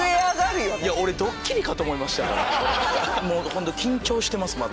もうホント緊張してますまだ。